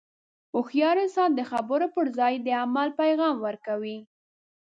هوښیار انسان د خبرو پر ځای د عمل پیغام ورکوي.